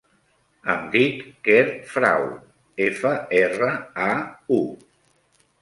Em dic Quer Frau: efa, erra, a, u.